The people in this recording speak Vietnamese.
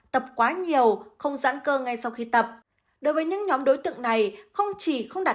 tập quá nhiều không giãn cơ ngay sau khi tập đối với những nhóm đối tượng này không chỉ không đạt